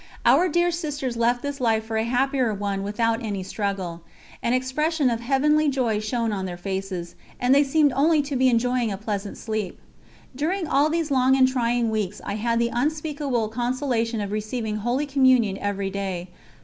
Our dear Sisters left this life for a happier one without any struggle; an expression of heavenly joy shone on their faces, and they seemed only to be enjoying a pleasant sleep. During all these long and trying weeks I had the unspeakable consolation of receiving Holy Communion every day.